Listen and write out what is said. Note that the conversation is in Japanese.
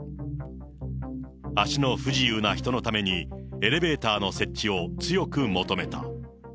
足の不自由な人のために、エレベーターの設置を強く求めた。